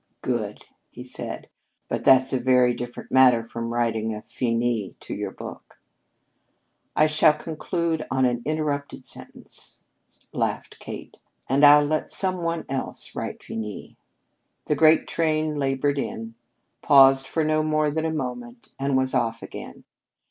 "Good!" he said. "But that's a very different matter from writing a 'Finis' to your book." "I shall conclude on an interrupted sentence," laughed Kate, "and I'll let some one else write 'Finis.'" The great train labored in, paused for no more than a moment, and was off again.